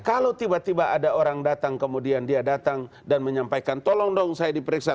kalau tiba tiba ada orang datang kemudian dia datang dan menyampaikan tolong dong saya diperiksa